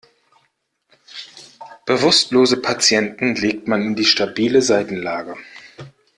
Bewusstlose Patienten legt man in die stabile Seitenlage.